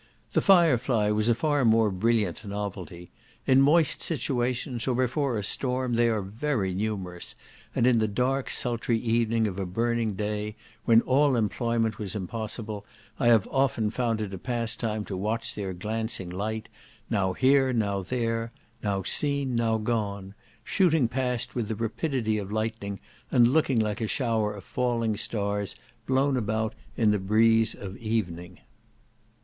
The fire fly was a far more brilliant novelty. In moist situations, or before a storm, they are very numerous, and in the dark sultry evening of a burning day, when all employment was impossible, I have often found it a pastime to watch their glancing light, now here, now there; now seen, now gone; shooting past with the rapidity of lightning, and looking like a shower of falling stars, blown about in the breeze of evening.